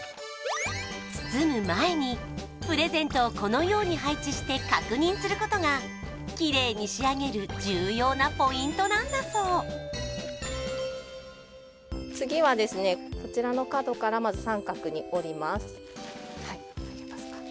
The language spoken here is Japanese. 包む前にプレゼントをこのように配置して確認することがきれいに仕上げる重要なポイントなんだそう次はですねこちらの角からまず三角に折ります